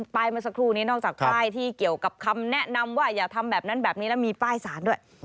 เมื่อสักครู่นี้นอกจากป้ายที่เกี่ยวกับคำแนะนำว่าอย่าทำแบบนั้นแบบนี้แล้วมีป้ายสารด้วย